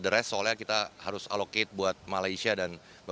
mas marshall sejauh ini